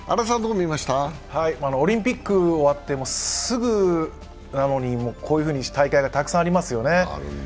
オリンピック終わってすぐなのに、こういうふうに大会がたくさんありますよね。